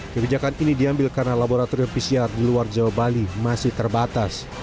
kebijakan ini diambil karena laboratorium pcr di luar jawa bali masih terbatas